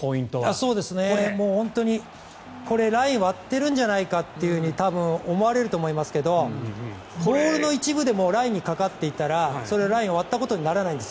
そうですね、これラインを割ってるんじゃないかと多分、思われると思いますがボールの一部でもラインにかかっていたらそれはラインを割ったことにはならないんです。